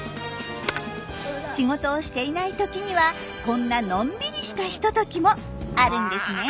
仕事をしていないときにはこんなのんびりしたひとときもあるんですね。